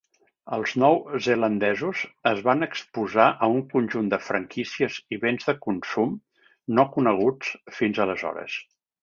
Els nou zelandesos es van exposar a un conjunt de franquícies i béns de consum no coneguts fins aleshores.